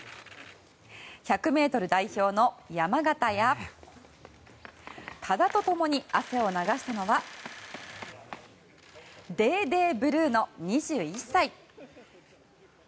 １００ｍ代表の山縣や多田と共に汗を流したのはデーデー・ブルーノ、２１歳。